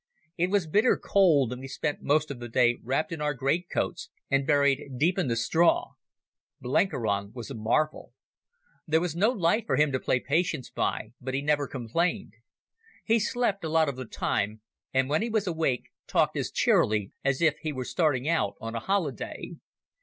It was bitter cold, and we spent most of the day wrapped in our greatcoats and buried deep in the straw. Blenkiron was a marvel. There was no light for him to play Patience by, but he never complained. He slept a lot of the time, and when he was awake talked as cheerily as if he were starting out on a holiday.